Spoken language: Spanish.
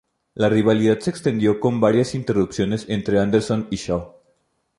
La rivalidad se extendió con varias interrupciones entre Anderson y Shaw.